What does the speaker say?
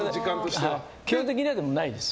基本的にはないです。